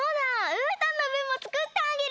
うーたんのぶんもつくってあげる！